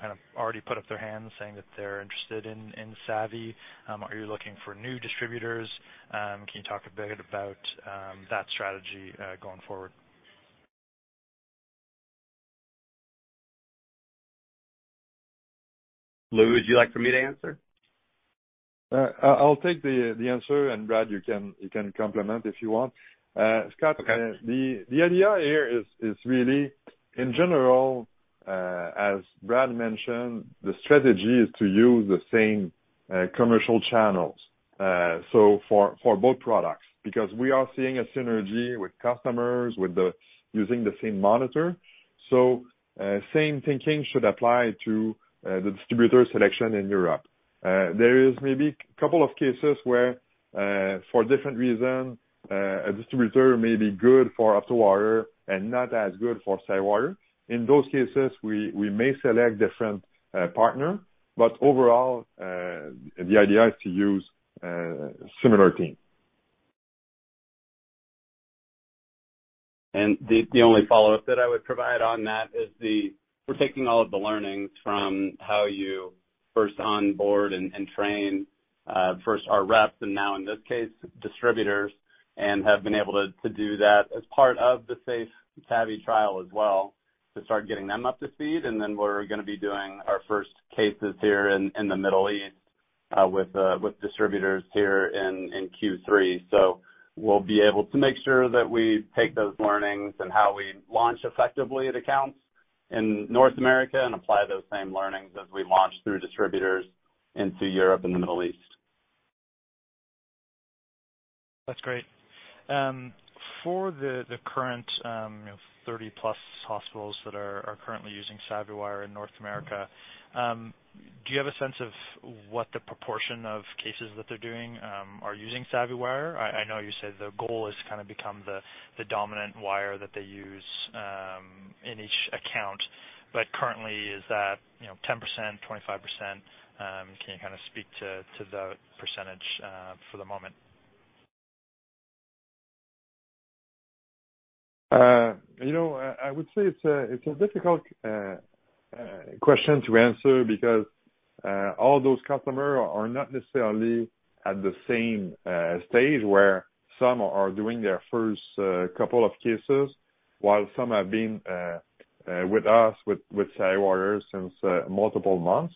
kind of already put up their hands saying that they're interested in SavvyWire? Are you looking for new distributors? Can you talk a bit about that strategy going forward? Louis, would you like for me to answer? I'll take the answer. Brad, you can complement if you want. Okay. The idea here is really in general, as Brad mentioned, the strategy is to use the same commercial channels for both products. We are seeing a synergy with customers using the same monitor. Same thinking should apply to the distributor selection in Europe. There is maybe a couple of cases where for different reason, a distributor may be good for OptoWire and not as good for SavvyWire. In those cases, we may select different partner. Overall, the idea is to use a similar team. The only follow-up that I would provide on that is. We're taking all of the learnings from how you first onboard and train first our reps and now in this case, distributors, and have been able to do that as part of the SAFE-TAVI trial as well, to start getting them up to speed, and then we're gonna be doing our first cases here in the Middle East, with distributors here in Q3. We'll be able to make sure that we take those learnings and how we launch effectively at accounts in North America and apply those same learnings as we launch through distributors into Europe and the Middle East. That's great. For the current, you know, 30-plus hospitals that are currently using SavvyWire in North America, do you have a sense of what the proportion of cases that they're doing, are using SavvyWire? I know you said the goal is to kinda become the dominant wire that they use in each account. Currently, is that, you know, 10%, 25%? Can you kinda speak to the percentage for the moment? You know, I would say it's a, it's a difficult question to answer because all those customer are not necessarily at the same stage, where some are doing their first couple of cases, while some have been with us, with SavvyWire since multiple months.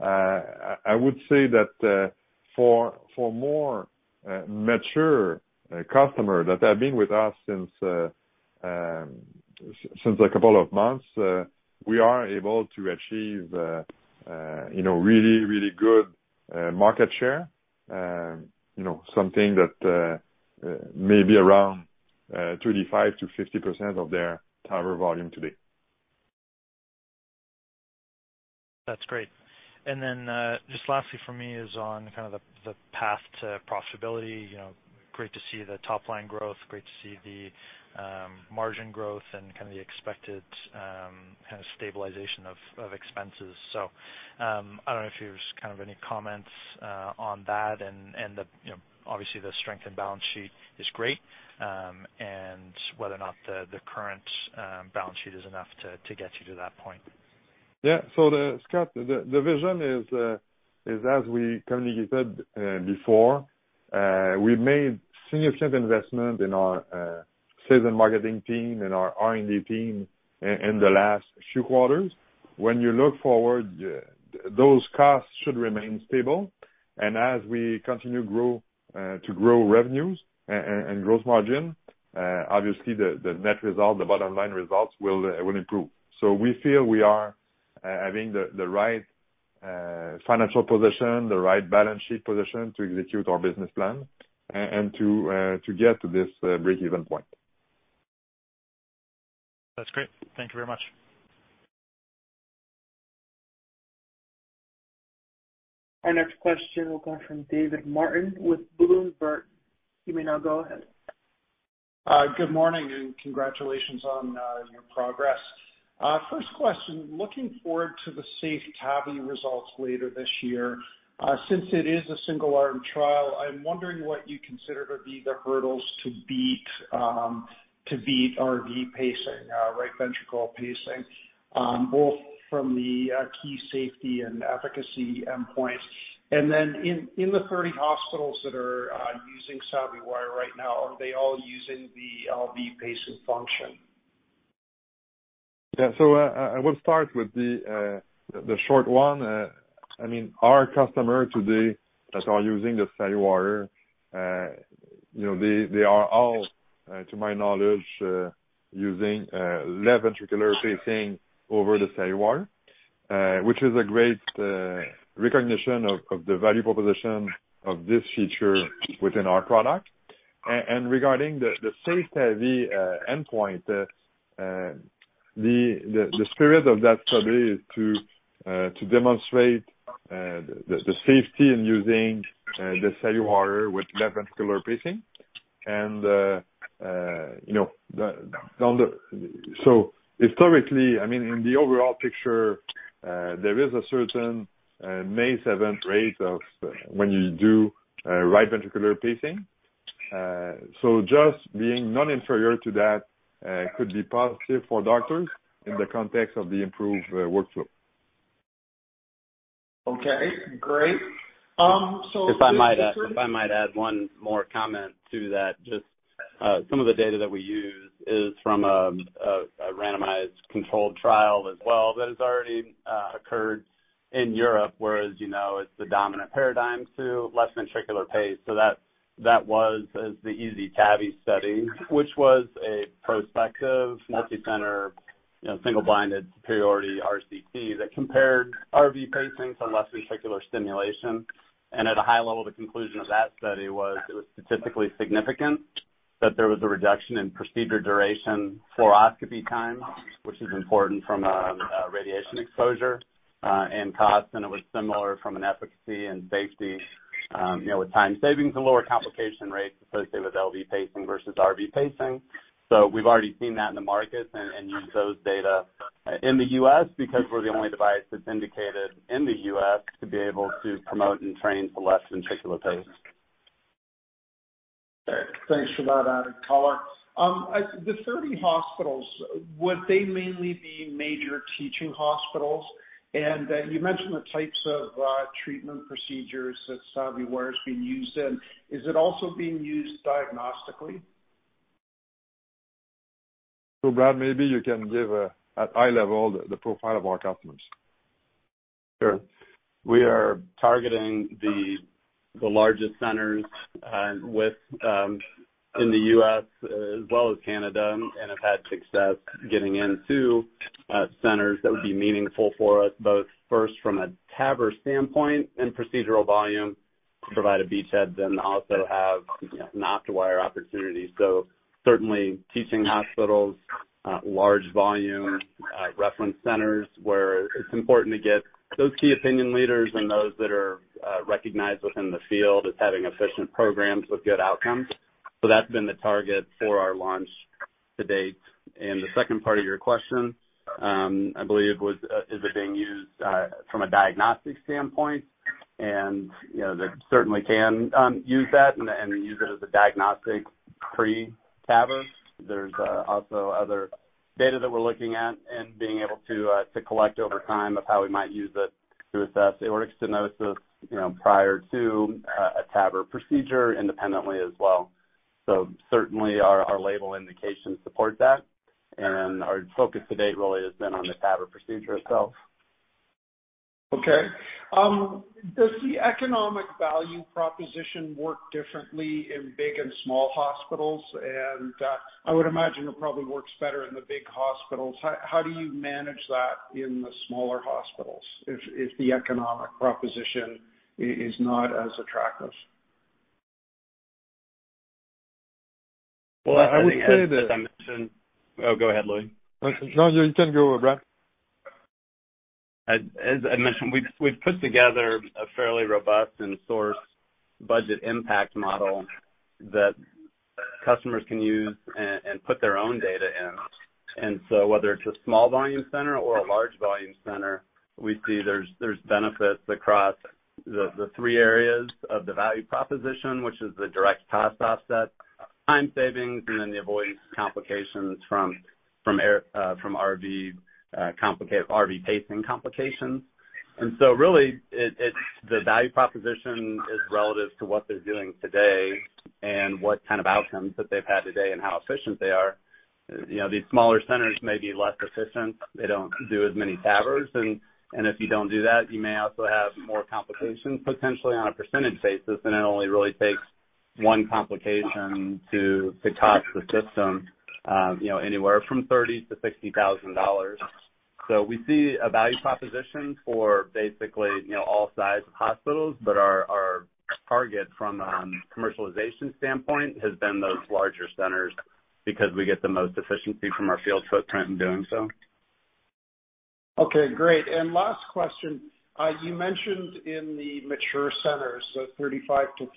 I would say that for more mature customer that have been with us since a couple of months, we are able to achieve, you know, really, really good market share. you know, something that maybe around 35%-50% of their total volume today. That's great. Just lastly for me is on kind of the path to profitability. You know, great to see the top-line growth, great to see the margin growth and kind of the expected kind of stabilization of expenses. I don't know if you have just kind of any comments on that and the, you know, obviously the strength and balance sheet is great, and whether or not the current balance sheet is enough to get you to that point. Yeah. Scott, the vision is as we communicated before, we made significant investment in our sales and marketing team and our R&D team in the last few quarters. When you look forward, those costs should remain stable. As we continue grow to grow revenues and gross margin, obviously the net result, the bottom-line results will improve. We feel we are having the right financial position, the right balance sheet position to execute our business plan and to get to this breakeven point. That's great. Thank you very much. Our next question will come from David Martin with Bloom Burton. You may now go ahead. Good morning and congratulations on your progress. First question, looking forward to the SAFE-TAVI results later this year, since it is a single arm trial, I'm wondering what you consider to be the hurdles to beat RV pacing, right ventricular pacing, both from the key safety and efficacy endpoints. Then in the 30 hospitals that are using SavvyWire right now, are they all using the LV pacing function? Yeah. I will start with the short one. I mean, our customer today that are using the SavvyWire, you know, they are all to my knowledge using left ventricular pacing over the SavvyWire, which is a great recognition of the value proposition of this feature within our product. Regarding the SAFE-TAVI endpoint, the spirit of that study is to demonstrate the safety in using the SavvyWire with left ventricular pacing. You know, historically, I mean, in the overall picture, there is a certain morbidity rate of when you do right ventricular pacing. Just being non-inferior to that could be positive for doctors in the context of the improved workflow. Okay, great. If I might add one more comment to that. Just, some of the data that we use is from, a randomized controlled trial as well that has already occurred in Europe, whereas, you know, it's the dominant paradigm to left ventricular pace. That was as the EASY-TAVI study, which was a prospective multicenter, you know, single-blinded superiority RCT that compared RV pacing and left ventricular pacing. At a high level, the conclusion of that study was it was statistically significant that there was a reduction in procedure duration fluoroscopy time, which is important from a radiation exposure and cost. It was similar from an efficacy and safety, you know, with time savings and lower complication rates associated with LV pacing versus RV pacing. We've already seen that in the market and used those data in the U.S. because we're the only device that's indicated in the U.S. to be able to promote and train for left ventricular pace. Thanks for that added color. At the 30 hospitals, would they mainly be major teaching hospitals? You mentioned the types of treatment procedures that SavvyWire is being used in. Is it also being used diagnostically? Brad, maybe you can give at high level the profile of our customers. Sure. We are targeting the largest centers, with. In the U.S. as well as Canada, have had success getting into centers that would be meaningful for us, both first from a TAVR standpoint and procedural volume, provide a beachhead, then also have an after wire opportunity. Certainly teaching hospitals, large volume, reference centers where it's important to get those key opinion leaders and those that are recognized within the field as having efficient programs with good outcomes. That's been the target for our launch to date. The second part of your question, I believe was, is it being used from a diagnostic standpoint? You know, they certainly can use that and use it as a diagnostic pre-TAVR. There's also other data that we're looking at and being able to to collect over time of how we might use it to assess aortic stenosis, you know, prior to a TAVR procedure independently as well. Certainly our label indications support that. Our focus to date really has been on the TAVR procedure itself. Okay. Does the economic value proposition work differently in big and small hospitals? I would imagine it probably works better in the big hospitals. How do you manage that in the smaller hospitals if the economic proposition is not as attractive? Well, I would say. Well, I think as I mentioned... Oh, go ahead, Louis. No, you can go, Brad. As I mentioned, we've put together a fairly robust and sourced budget impact model that customers can use and put their own data in. Whether it's a small volume center or a large volume center, we see there's benefits across the three areas of the value proposition, which is the direct cost offset, time savings, and then the avoidance complications from RV pacing complications. Really it's, the value proposition is relative to what they're doing today and what kind of outcomes that they've had today and how efficient they are. You know, these smaller centers may be less efficient. They don't do as many TAVRs. If you don't do that, you may also have more complications potentially on a percentage basis, and it only really takes one complication to cost the system, you know, anywhere from $30,000-$60,000. We see a value proposition for basically, you know, all size of hospitals, but our target from a commercialization standpoint has been those larger centers because we get the most efficiency from our field footprint in doing so. Okay, great. Last question. You mentioned in the mature centers, so 35%-50%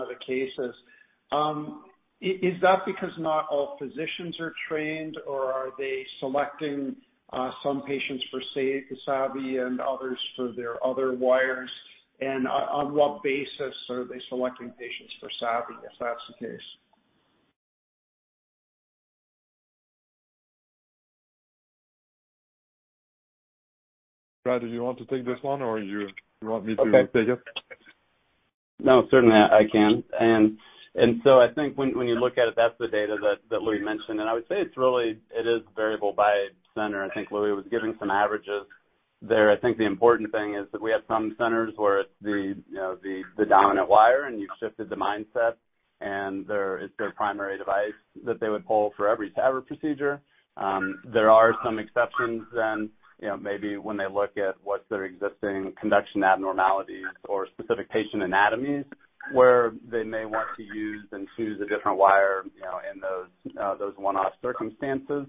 of the cases. Is that because not all physicians are trained or are they selecting some patients for the SavvyWire and others for their other wires? On what basis are they selecting patients for SavvyWire, if that's the case? Brad, did you want to take this one or you want me to take it? No, certainly I can. I think when you look at it, that's the data that Louis mentioned. I would say it's really, it is variable by center. I think Louis was giving some averages there. I think the important thing is that we have some centers where it's the, you know, the dominant wire and it's their primary device that they would pull for every TAVR procedure. There are some exceptions then, you know, maybe when they look at what's their existing conduction abnormalities or specific patient anatomies, where they may want to use and choose a different wire, you know, in those one-off circumstances.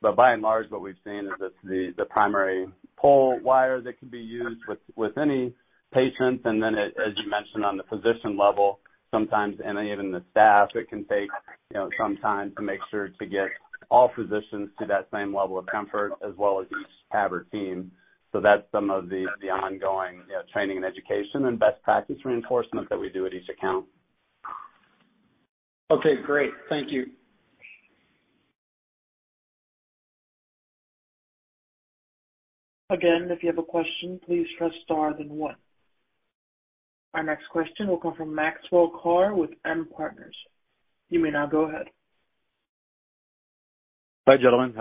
By and large, what we've seen is it's the primary pull wire that could be used with any patient. As you mentioned on the physician level sometimes, and even the staff, it can take, you know, some time to make sure to get all physicians to that same level of comfort as well as each TAVR team. That's some of the ongoing, you know, training and education and best practice reinforcement that we do at each account. Okay, great. Thank you. Again, if you have a question, please press star then one. Our next question will come from Maxwell Carr with M Partners. You may now go ahead. Hi, gentlemen.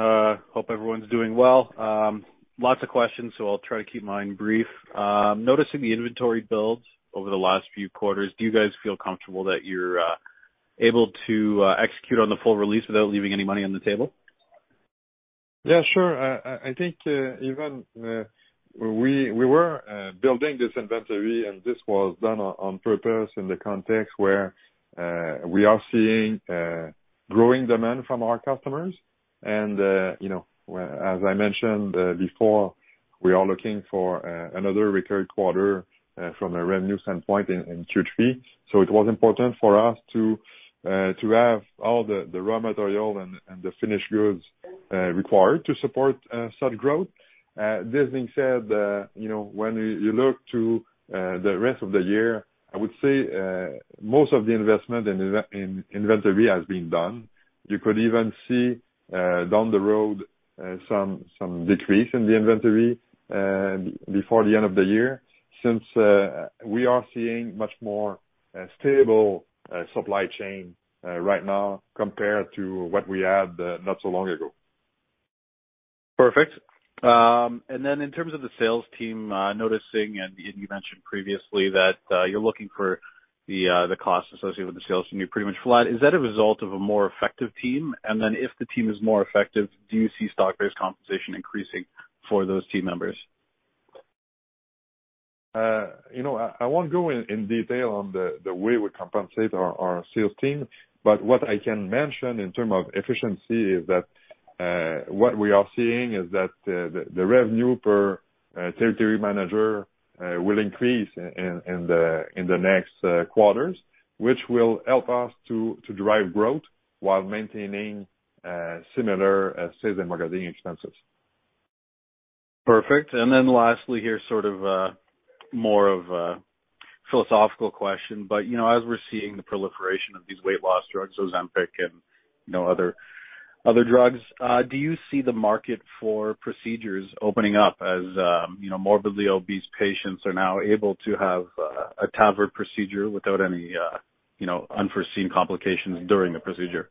Hope everyone's doing well. Lots of questions, so I'll try to keep mine brief. Noticing the inventory builds over the last few quarters, do you guys feel comfortable that you're able to execute on the full release without leaving any money on the table? Yeah, sure. I think, even, we were building this inventory and this was done on purpose in the context where we are seeing growing demand from our customers. You know, as I mentioned before, we are looking for another record quarter from a revenue standpoint in Q3. It was important for us to have all the raw material and the finished goods required to support such growth. This being said, you know, when you look to the rest of the year, I would say, most of the investment in inventory has been done. You could even see down the road some decrease in the inventory before the end of the year since we are seeing much more stable supply chain right now compared to what we had not so long ago. Perfect. In terms of the sales team, noticing, and you mentioned previously that you're looking for the cost associated with the sales team pretty much flat. Is that a result of a more effective team? If the team is more effective, do you see stock-based compensation increasing for those team members? You know, I won't go in detail on the way we compensate our sales team, but what I can mention in term of efficiency is that what we are seeing is that the revenue per territory manager will increase in the next quarters, which will help us to drive growth while maintaining similar sales and marketing expenses. Perfect. Lastly here, sort of, more of a philosophical question. You know, as we're seeing the proliferation of these weight loss drugs, Ozempic and, you know, other drugs, do you see the market for procedures opening up as, you know, morbidly obese patients are now able to have a TAVR procedure without any, you know, unforeseen complications during the procedure?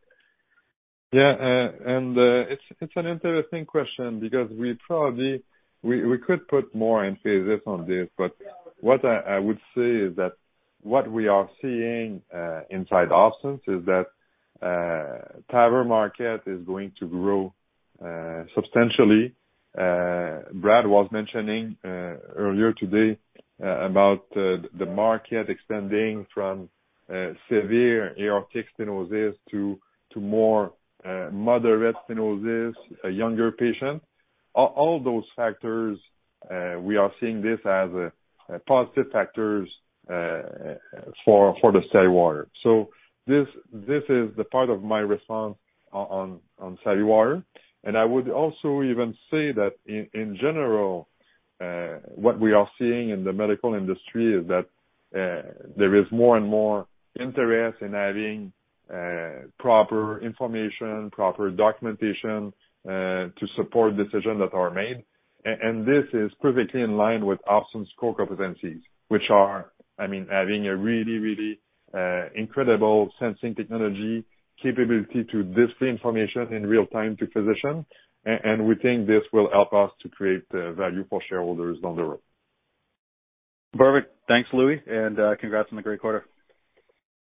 Yeah. It's an interesting question because We could put more emphasis on this, but what I would say is that what we are seeing inside OpSens is that TAVR market is going to grow substantially. Brad was mentioning earlier today about the market extending from severe aortic stenosis to more moderate stenosis, younger patient. All those factors, we are seeing this as positive factors for the SavvyWire. This is the part of my response on SavvyWire. I would also even say that in general, what we are seeing in the medical industry is that there is more and more interest in having proper information, proper documentation to support decisions that are made. This is perfectly in line with OpSens' core competencies, which are, I mean, having a really incredible sensing technology capability to distribute information in real time to physician. We think this will help us to create value for shareholders down the road. Perfect. Thanks, Louis. Congrats on the great quarter.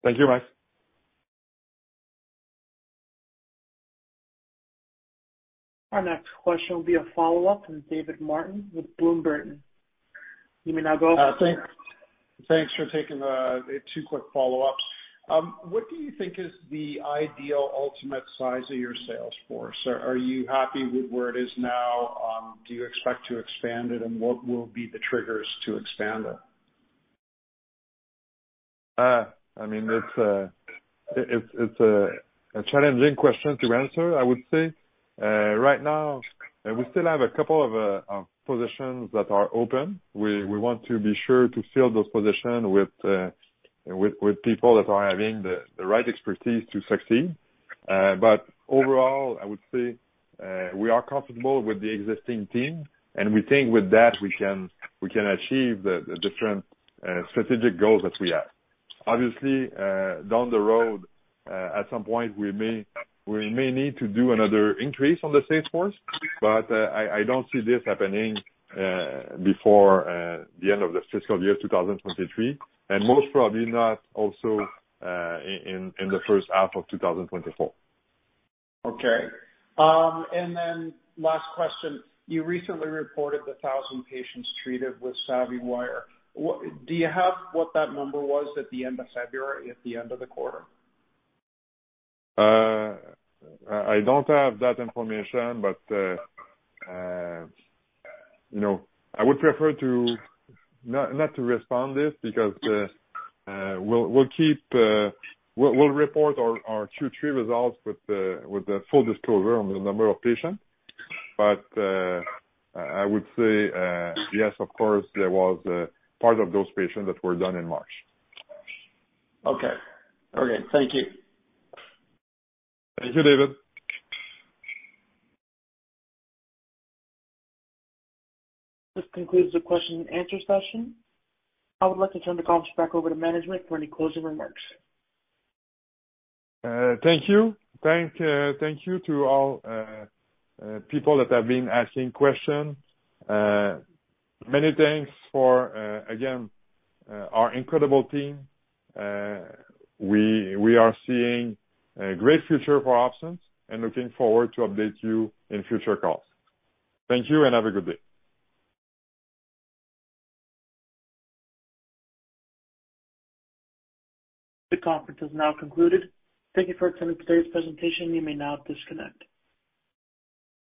Thank you, Max. Our next question will be a follow-up from David Martin with Bloom Burton. You may now go ahead. Thanks for taking two quick follow-ups. What do you think is the ideal ultimate size of your sales force? Are you happy with where it is now? Do you expect to expand it, and what will be the triggers to expand it? I mean, it's a challenging question to answer, I would say. Right now, we still have a couple of positions that are open. We want to be sure to fill those position with people that are having the right expertise to succeed. But overall, I would say, we are comfortable with the existing team, and we think with that we can achieve the different strategic goals that we have. Obviously, down the road, at some point we may need to do another increase on the sales force, but I don't see this happening before the end of the fiscal year 2023, and most probably not also in the H1 of 2024. Okay. last question: You recently reported the 1,000 patients treated with SavvyWire. Do you have what that number was at the end of February, at the end of the quarter? I don't have that information, but, you know, I would prefer not to respond this because, we'll report our Q3 results with the full disclosure on the number of patients. I would say, yes, of course, there was part of those patients that were done in March. Okay. All right. Thank you. Thank you, David. This concludes the question and answer session. I would like to turn the conference back over to management for any closing remarks. Thank you. Thank you to all people that have been asking questions. Many thanks for again, our incredible team. We are seeing a great future for OpSens and looking forward to update you in future calls. Thank you and have a good day. The conference has now concluded. Thank you for attending today's presentation. You may now disconnect.